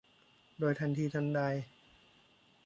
โดยทันทีทันใด